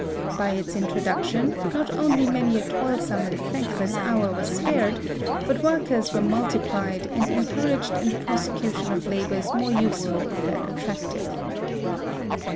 By its introduction, not only many a toilsome and thankless hour was spared, but workers were multiplied, and encouraged in the prosecution of labours more useful than attractive.